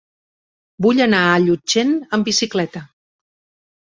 Vull anar a Llutxent amb bicicleta.